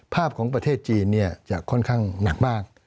ภาพของประเทศจีนจะค่อนข้างหนักมาก